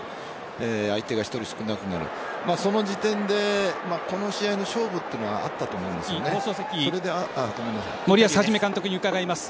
相手が１人少なくなるその時点でこの試合の勝負というのは森保一監督に伺います。